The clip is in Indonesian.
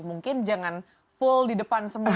mungkin jangan full di depan semua